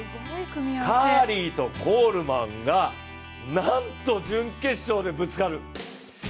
カーリーとコールマンがなんと準決勝でぶつかる。